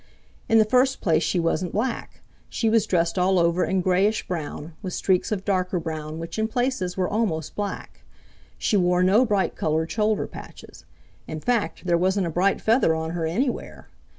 In the first place she wasn't black. She was dressed all over in grayish brown with streaks of darker brown which in places were almost black. She wore no bright colored shoulder patches. In fact, there wasn't a bright feather on her anywhere.